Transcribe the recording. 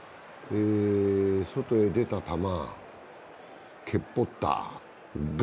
外へ出た球、けっぽった。